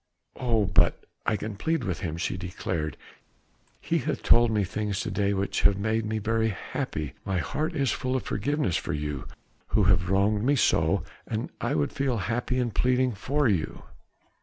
"Oh! but I can plead with him," she declared. "He hath told me things to day which have made me very happy. My heart is full of forgiveness for you, who have wronged me so, and I would feel happy in pleading for you."